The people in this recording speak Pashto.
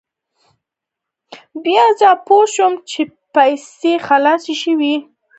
بیا زه پوه شوم چې پیسې خلاصې شوې.